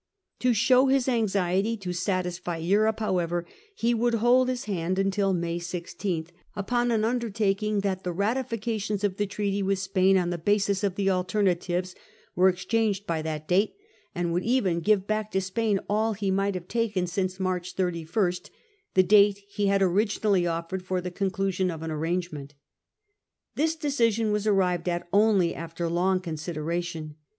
To show termsofAe anx ' ct Y to satisfy Europe however, he Triple would hold his hand until May 16, upon an condition undertaking that the ratifications of the treaty aNy* with Spain on the basis of the 1 alternatives' were exchanged by that date, and would even give back to Spain all he might have taken since March 31, the date he had originally offered for the conclusion of an arrangement. This decision was arrived at only after long consider ation.